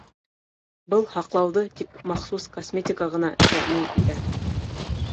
Был һаҡлауҙы тик махсус косметика ғына тәьмин итә.